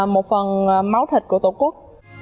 một phần máu thịt của tổ quốc